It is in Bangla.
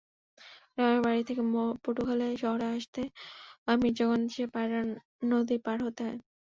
গ্রামের বাড়ি থেকে পটুয়াখালী শহরে আসতে মির্জাগঞ্জে পায়রা নদী পার হতে হয়।